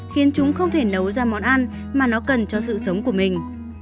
khiến chúng không thể nấu ra món ăn mà nó cần cho sự sống của mình